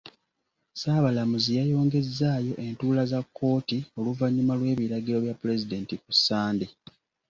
Ssaabalamuzi yayongezzaayo entuula za kkooti oluvannyuma lw'ebiragiro bya pulezidenti ku Ssande.